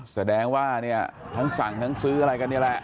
แสดงว่าเนี่ยทั้งสั่งทั้งซื้ออะไรกันนี่แหละ